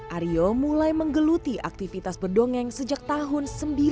aryo mulai menggeluti aktivitas berdongeng sejak tahun seribu sembilan ratus sembilan puluh